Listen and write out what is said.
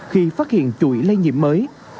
khi phát hiện chuỗi lây nhiệm mới